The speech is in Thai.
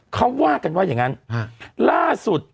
เขาว่ากันว่าอย่างงั้นล่าสุด